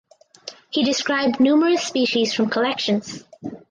He described numerous species from collections.